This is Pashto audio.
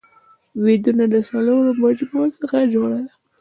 ويدونه د څلورو مجموعو څخه جوړه ده